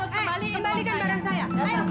kembalikan barang saya